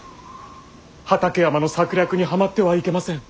畠山の策略にはまってはいけません。